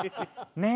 ねえ。